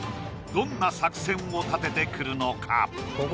どんな作戦を立ててくるのか？